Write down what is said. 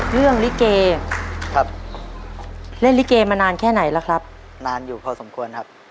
ลิเกครับเล่นลิเกมานานแค่ไหนแล้วครับนานอยู่พอสมควรครับ